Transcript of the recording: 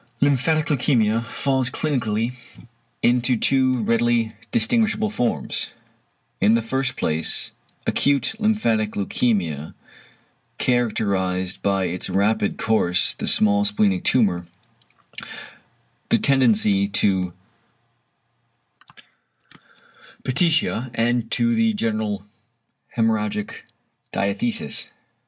~Lymphatic leukæmia~ falls clinically into two readily distinguishable forms. In the first place acute lymphatic leukæmia, characterised by its rapid course, the small splenic tumour, the tendency to petechiæ and to the general hæmorrhagic diathesis.